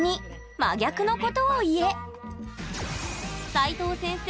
齋藤先生